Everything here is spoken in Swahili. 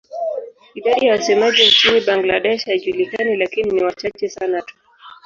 Idadi ya wasemaji nchini Bangladesh haijulikani lakini ni wachache sana tu.